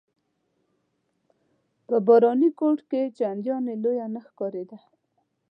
په باراني کوټ کې چنداني لویه نه ښکارېده.